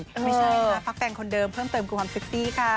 ไม่ใช่ค่ะพักแต่งคนเดิมเพิ่มเติมคือความเซ็กซี่ค่ะ